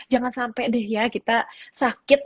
jangan sampai deh ya kita sakit